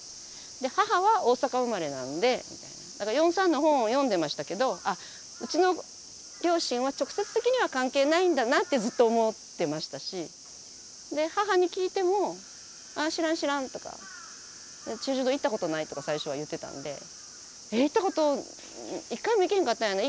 母は大阪生まれなんで４・３の本を読んでましたけどうちの両親は直接的には関係ないんだなってずっと思ってましたし母に聞いても「あ知らん知らん」とか済州島行ったことないとか最初は言ってたんで行ったこと１回も行けへんかったんやね。